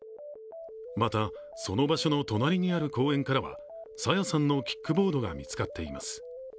また、その場所の隣にある公園からは朝芽さんのキックボードが見つかっています。